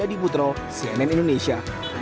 ibu tero cnn indonesia